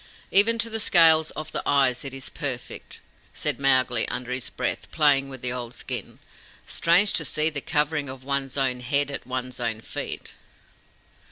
"Even to the scales of the eyes it is perfect," said Mowgli, under his breath, playing with the old skin. "Strange to see the covering of one's own head at one's own feet!"